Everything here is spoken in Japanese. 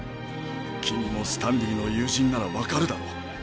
君もスタンリーの友人なら分かるだろう。